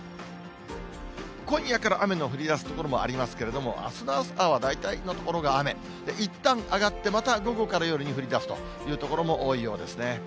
今夜から雨の降りだす所もありますけれども、あすの朝は大体の所がいったん上がって、また午後から夜に降りだすという所も多いようですね。